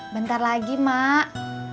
bentar lagi mak